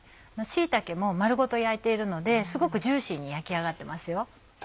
椎茸も丸ごと焼いているのですごくジューシーに焼き上がってますよ。